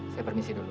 saya permisi dulu